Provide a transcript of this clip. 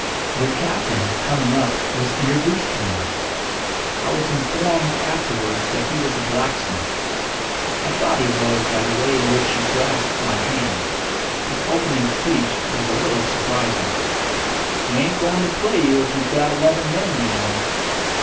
Their captain, coming up, was introduced to me. I was informed afterwards that he was a blacksmith. I thought he was by the way in which he grasped my hand. His opening speech was a little surprising. "We ain't going to play you if you've got eleven men, you know."